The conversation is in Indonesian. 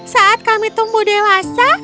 saat kami tumbuh dewasa